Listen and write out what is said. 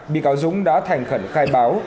bị cáo dũng đã thành khẩn khai báo